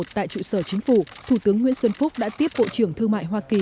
tại trụ sở chính phủ thủ tướng nguyễn xuân phúc đã tiếp bộ trưởng thương mại hoa kỳ